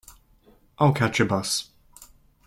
I'll catch a bus.